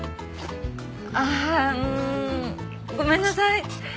ああうーんごめんなさい。